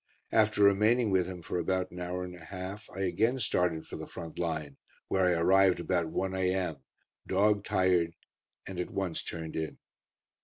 After remaining with him for about an hour and a half, I again started for the front line, where I arrived about 1 a.m., dog tired, and at once turned in.